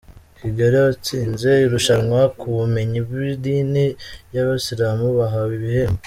Kigali Abatsinze irushanwa ku bumenyi bw’idini yabisiramu bahawe ibihembo